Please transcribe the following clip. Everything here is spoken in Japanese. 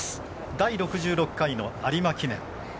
第６６回の有馬記念。